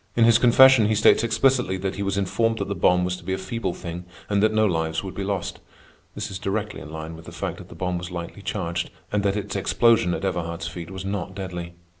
In his confession he states explicitly that he was informed that the bomb was to be a feeble thing and that no lives would be lost. This is directly in line with the fact that the bomb was lightly charged, and that its explosion at Everhard's feet was not deadly.